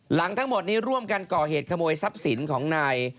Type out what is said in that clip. ทั้งหมดนี้ร่วมกันก่อเหตุขโมยทรัพย์สินของนาย